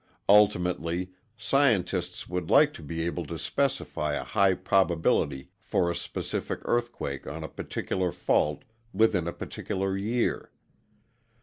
Ultimately, scientists would like to be able to specify a high probability for a specific earthquake on a particular fault within a particular year.